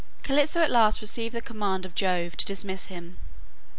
Calypso at last received the command of Jove to dismiss him.